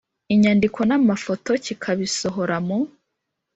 inyandiko n amafoto kikabisohora mu